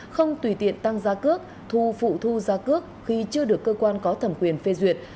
không tùy tiện tăng giá cước thu phụ thu giá cước khi chưa được cơ quan có thẩm quyền phê duyệt